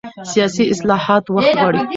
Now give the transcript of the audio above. سیاسي اصلاحات وخت غواړي